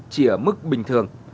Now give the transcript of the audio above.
chỉ ở mức bình thường